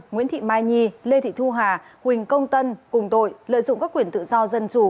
nguyễn thị mai nhi lê thị thu hà huỳnh công tân cùng tội lợi dụng các quyền tự do dân chủ